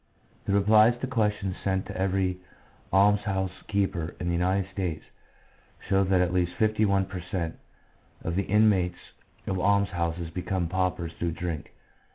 The replies to questions sent to every almshouse keeper in the United States show that at least 51 per cent, of the inmates of almshouses became paupers through drink.